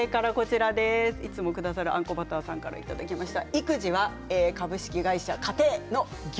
いつもくださるあんこバターさんからいただきました。